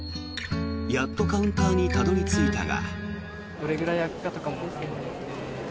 やっとカウンターにたどり着いたが。